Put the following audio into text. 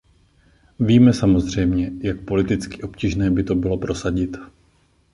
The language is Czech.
Víme samozřejmě, jak politicky obtížné by bylo to prosadit.